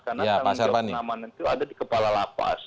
karena yang menjawab keamanan itu ada di kepala lapas